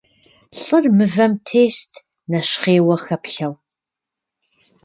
Лӏыр мывэм тест, нэщхъейуэ хэплъэу.